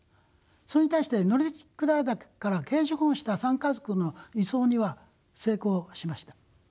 それに対して乗鞍岳からケージ保護した３家族の輸送には成功しました。